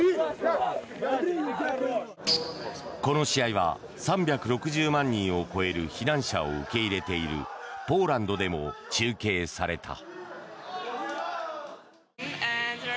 この試合は３６０万人を超える避難者を受け入れているポーランドでも中継された。